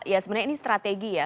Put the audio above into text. ya sebenarnya ini strategi ya